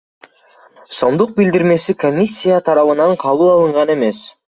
сомдук билдирмеси комиссия тарабынан кабыл алынган эмес.